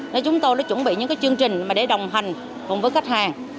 nên chúng tôi đã chuẩn bị những chương trình để đồng hành cùng với khách hàng